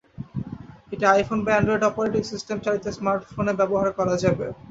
এটি আইফোন বা Android operating system চালিত স্মার্টফোনে ব্যবহার করা যাবে।